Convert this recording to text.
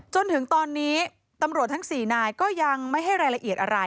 จนถึงตอนนี้ตำรวจทั้ง๔นายก็ยังไม่ให้รายละเอียดอะไร